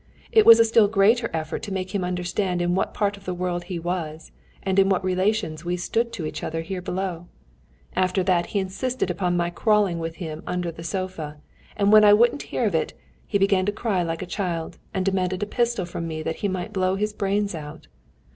It was a still greater effort to make him understand in what part of the world he was, and in what relations we stood to each other here below. After that he insisted upon my crawling with him under the sofa, and when I wouldn't hear of it, he began to cry like a child, and demanded a pistol from me that he might blow his brains out.